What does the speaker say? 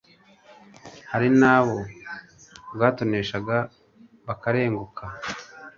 Hari n'abo bwatoneshaga bakarenguka.